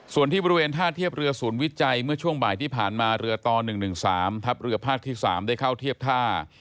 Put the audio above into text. ส่วนที่บริเวณท่าเทียบเรือศูนย์วิจัยเมื่อช่วงบ่ายที่ผ่านมาเรือต่อ๑๑๓ทัพเรือภาคที่๓ได้เข้าเทียบท่า